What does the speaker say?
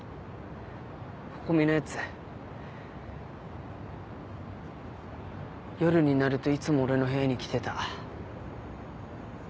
心美のやつ夜になるといつも俺の部屋に来てた。